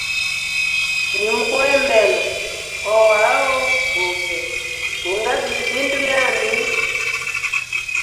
Nimukuembela oaho guve gu ngabile bindu byami.